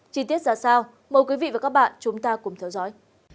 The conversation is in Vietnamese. chi tiết ra sao mời quý vị và các bạn chúng ta cùng theo dõi